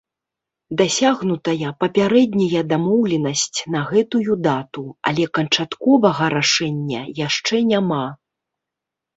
Дасягнутая папярэдняя дамоўленасць на гэтую дату, але канчатковага рашэння яшчэ няма.